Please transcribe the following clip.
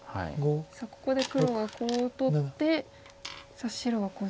さあここで黒がコウを取ってさあ白はコウ材